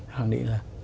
hẳn định là